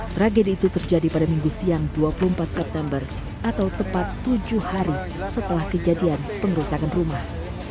tragedi itu terjadi pada minggu siang dua puluh empat september atau tepat tujuh hari setelah kejadian pengerusakan rumah